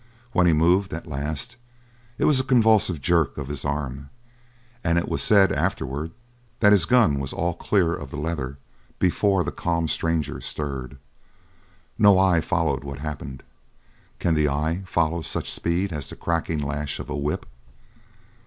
When he moved, at last, it was a convulsive jerk of his arm, and it was said, afterward, that his gun was all clear of the leather before the calm stranger stirred. No eye followed what happened. Can the eye follow such speed as the cracking lash of a whip?